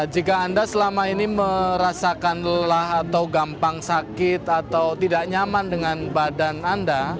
jika anda selama ini merasakan lelah atau gampang sakit atau tidak nyaman dengan badan anda